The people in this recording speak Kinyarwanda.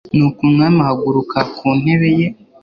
nuko umwami ahaguruka ku ntebe ye